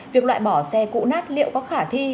việc loại bỏ xe cũ nát liệu có khả thi